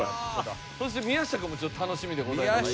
そして宮下君も楽しみでございます。